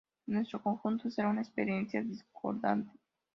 Y nuestro conjunto será una experiencia discordante.